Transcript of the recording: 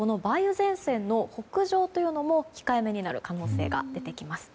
前線の北上というのも控えめになる可能性が出てきます。